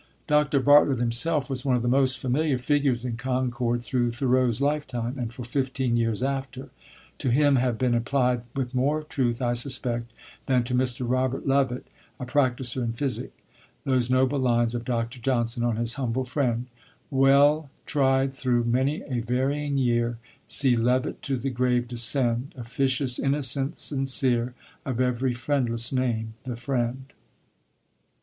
Dr. Bartlett himself was one of the most familiar figures in Concord through Thoreau's life time, and for fifteen years after. To him have been applied, with more truth, I suspect, than to "Mr. Robert Levet, a Practiser in Physic," those noble lines of Dr. Johnson on his humble friend: "Well tried through many a varying year, See Levet to the grave descend, Officious, innocent, sincere, Of every friendless name the friend."